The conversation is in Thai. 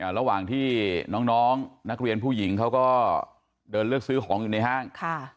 ระหว่างที่น้องนักเรียนผู้หญิงเขาก็เดินเลือกซื้อของอยู่ในห้าง